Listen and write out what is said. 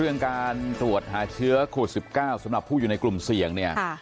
การตรวจหาเชื้อโควิด๑๙สำหรับผู้อยู่ในกลุ่มเสี่ยงเนี่ย